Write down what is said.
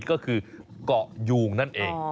ก็คือเกาะยูงนั่นเอง